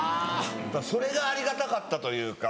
それがありがたかったというか。